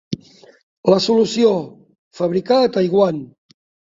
La solució: fabricar a Taiwan.